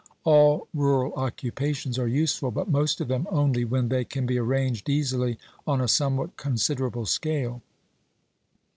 All rural occupations are useful, but most of them only when they can be arranged easily on a somewhat considerable scale.